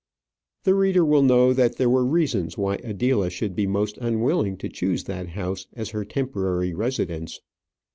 The reader will know that there were reasons why Adela should be most unwilling to choose that house as her temporary residence.